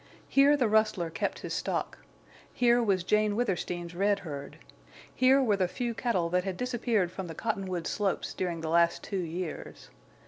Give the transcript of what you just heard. Here the rustler kept his stock, here was Jane Withersteen's red herd; here were the few cattle that had disappeared from the Cottonwoods slopes during the last two years.